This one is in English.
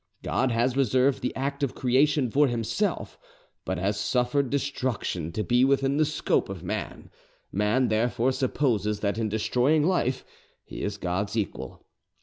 God has reserved the act of creation for Himself, but has suffered destruction to be within the scope of man: man therefore supposes that in destroying life he is God's equal.